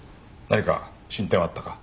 何か進展はあったか？